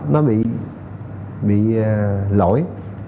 nó bị lỗi